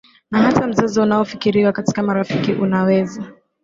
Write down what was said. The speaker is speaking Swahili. Na hata mzozo unaofikiriwa kati ya marafiki unaweza